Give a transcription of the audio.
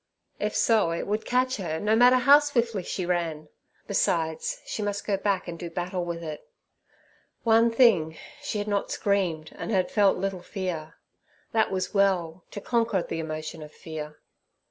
If so, it would catch her, no matter how swiftly she ran. Besides, she must go back and do battle with it. One thing, she had not screamed and had felt little fear; that was well, to conquer the emotion of fear.